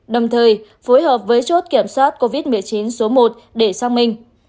đồng thời phối hợp với chốt kiểm soát covid một mươi chín số một để xác minh